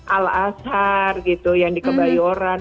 al azhar gitu yang di kebayoran